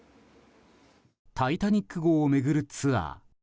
「タイタニック号」を巡るツアー。